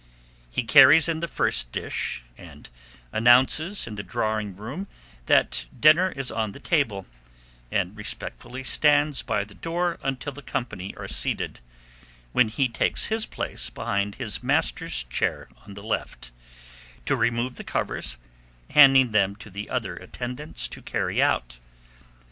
He carries in the first dish, and announces in the drawing room that dinner is on the table, and respectfully stands by the door until the company are seated, when he takes his place behind his master's chair on the left, to remove the covers, handing them to the other attendants to carry out.